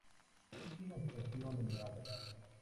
Es una estación elevada.